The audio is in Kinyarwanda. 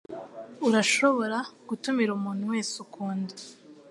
Urashobora gutumira umuntu wese ukunda.